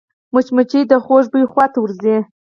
مچمچۍ د خوږ بوی خواته ورځي